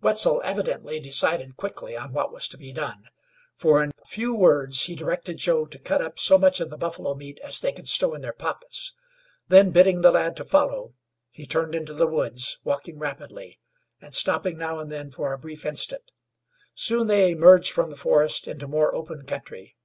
Wetzel evidently decided quickly on what was to be done, for in few words he directed Joe to cut up so much of the buffalo meat as they could stow in their pockets. Then, bidding the lad to follow, he turned into the woods, walking rapidly, and stopping now and then for a brief instant. Soon they emerged from the forest into more open country.